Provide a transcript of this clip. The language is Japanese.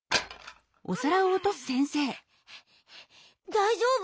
だいじょうぶ？